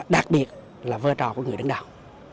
đặc biệt là vơ trò của người đảng đạo